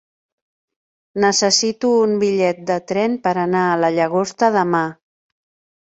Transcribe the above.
Necessito un bitllet de tren per anar a la Llagosta demà.